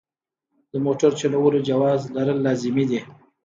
د موټر چلولو جواز لرل لازمي دي.